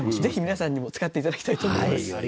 ぜひ皆さんにも使って頂きたいと思います。